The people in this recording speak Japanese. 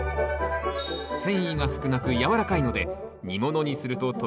繊維が少なくやわらかいので煮物にするととろける食感。